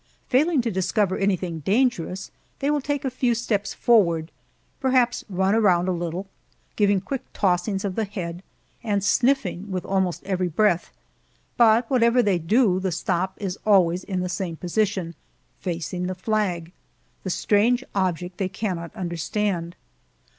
Failing to discover anything dangerous, they will take a few steps forward, perhaps run around a little, giving quick tossings of the head, and sniffing with almost every breath, but whatever they do the stop is always in the same position facing the flag, the strange object they cannot understand.